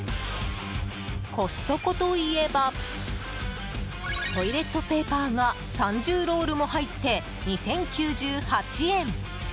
コストコといえばトイレットペーパーが３０ロールも入って２０９８円。